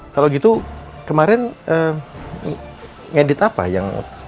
kalau gitu kemarin ngedit apa yang